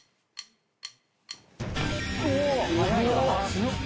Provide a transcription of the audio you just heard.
すごい。